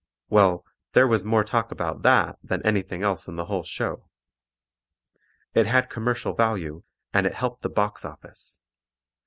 Well, there was more talk about that than anything else in the whole show. It had commercial value and it helped the box office.